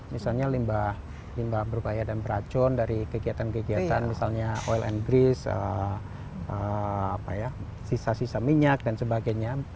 misalnya limbah berbahaya dan beracun dari kegiatan kegiatan misalnya oil and greeze sisa sisa minyak dan sebagainya